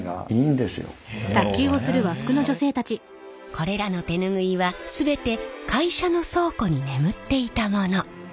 これらの手ぬぐいは全て会社の倉庫に眠っていたもの。